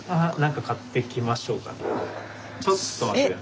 ちょっと待って下さい。